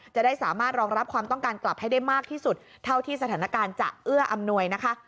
จะได้สามารถรองรับความต้องการกลับให้ได้มากที่สุดเท่าที่สถานการณ์จะเอื้ออำนวยนะคะ